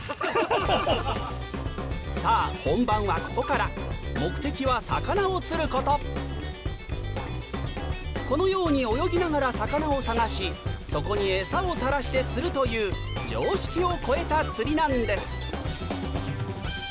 さぁ本番はここからこのように泳ぎながら魚を探しそこに餌を垂らして釣るという常識を超えた釣りなんです